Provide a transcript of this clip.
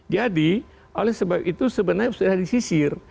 jadi oleh sebab itu sebenarnya sudah disisir